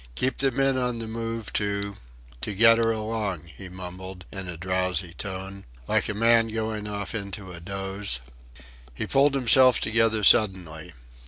"Keep the men on the move to to get her along," he mumbled in a drowsy tone, like a man going off into a doze. He pulled himself together suddenly.